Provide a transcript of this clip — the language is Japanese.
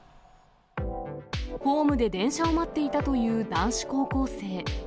ホームで電車を待っていたという男子高校生。